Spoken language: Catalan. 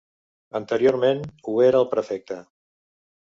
Anteriorment ho era el prefecte.